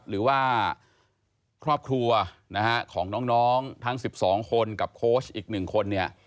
หรือว่าครอบครัวนะฮะของน้องทั้ง๑๒คนกับโค้ชอีก๑คนเนี่ย